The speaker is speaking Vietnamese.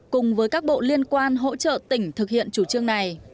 cùng với các bộ liên quan hỗ trợ tỉnh thực hiện chủ trương này